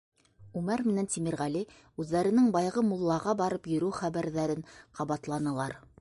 Үмәр менән Тимерғәле үҙҙәренең баяғы муллаға барып йөрөү хәбәрҙәрен ҡабатланылар.